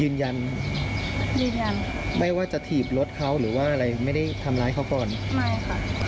ยืนยันยืนยันยืนยันค่ะไม่ว่าจะถีบรถเขาหรือว่าอะไรไม่ได้ทำร้ายเขาก่อนไม่ค่ะ